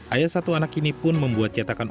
ayah satu anak ini pun membuat cetakan